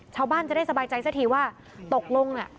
ชาวบ้านจะได้สบายใจซะทีว่าตกลงเนี่ย